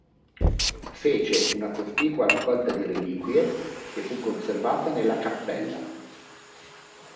Fece una cospicua raccolta di reliquie, che fu conservata nella cappella.